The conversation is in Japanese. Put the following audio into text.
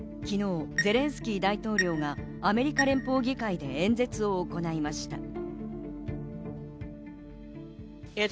昨日、ゼレンスキー大統領がアメリカ連邦議会で演説を行いました。